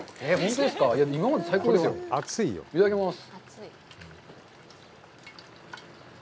いただきます。